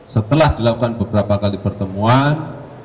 setelah dilakukan beberapa kali pertemuan